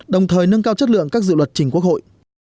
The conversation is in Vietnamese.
đồng thời nâng cao chất lượng các dự luật trình quốc hội